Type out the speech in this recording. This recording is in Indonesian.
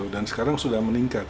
dan sekarang sudah meningkat